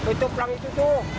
itu pelang itu tuh